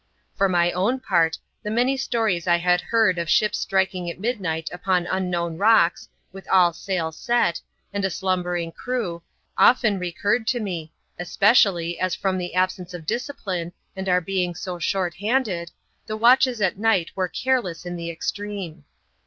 For my own part, the many stories I had heard of ships striking at midnight upon imknown rocks, with all sail set, and a slumbering crew, often recurred to me, especially, as from the absence of discipline, and our being so short handed, the watches at night were careless in the extreme.